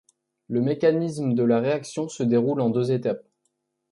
Le mécanisme de la réaction se déroule en deux étapes.